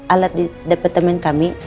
alat di departemen kami